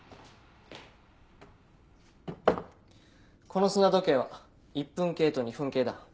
この砂時計は１分計と２分計だ。